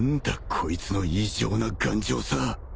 こいつの異常な頑丈さ